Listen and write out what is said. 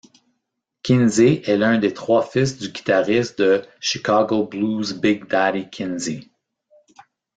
Kinsey est l'un des trois fils du guitariste de Chicago blues Big Daddy Kinsey.